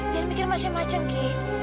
kayak macam macam ghi